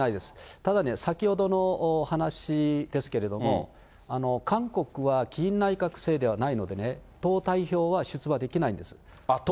ただね、先ほどの話ですけれども、韓国は議院内閣制ではないのでね、党代表は出れないんですか？